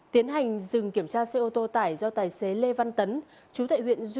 tiến hành dừng kiểm tra xe ô tô tải do tài xế lê văn tấn